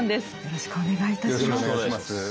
よろしくお願いします。